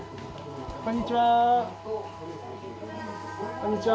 こんにちは！